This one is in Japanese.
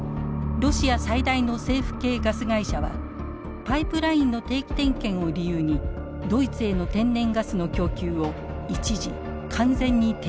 ロシア最大の政府系ガス会社はパイプラインの定期点検を理由にドイツへの天然ガスの供給を一時完全に停止しました。